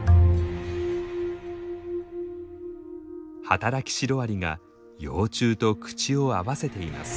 働きシロアリが幼虫と口を合わせています。